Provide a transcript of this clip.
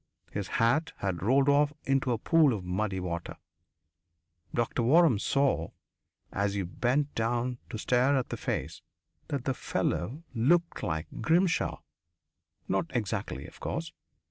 His hat had rolled off into a pool of muddy water. Doctor Waram saw, as he bent down to stare at the face, that the fellow looked like Grimshaw. Not exactly, of course.